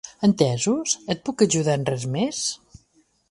Entesos, et puc ajudar en res més?